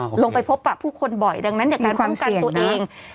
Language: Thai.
อุ้ยลงไปพบหาผู้คนบ่อยดังนั้นการป้องกันตัวเอง